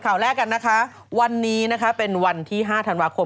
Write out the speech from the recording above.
ข่าวแรกกันนะคะวันนี้นะคะเป็นวันที่๕ธันวาคม